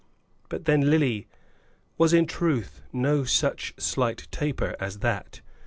But then Lily was in truth no such slight taper as that.